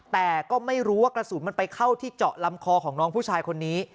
แต่ก็ไม่รู้ว่ากระสุนมันไปเข้าที่เจาะลำคอของน้องผู้ชายคนนี้